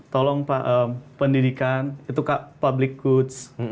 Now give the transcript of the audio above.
tolong pak pendidikan itu public goods